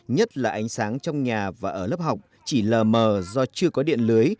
nhất là ánh sáng trong nhà và ở lớp học chỉ lờ mờ do chưa có điện lưới